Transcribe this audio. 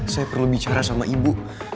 saya perlu bicara sama ibu